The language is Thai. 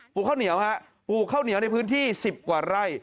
ข้าวเหนียวฮะปลูกข้าวเหนียวในพื้นที่๑๐กว่าไร่